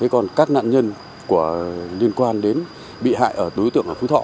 còn các nạn nhân liên quan đến bị hại ở đối tượng phú thọ